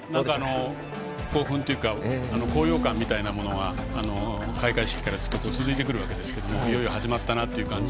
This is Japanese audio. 興奮というか高揚感みたいなものが開会式からずっと続いてくるわけですがいよいよ始まったなと。